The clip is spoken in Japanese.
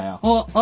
あ！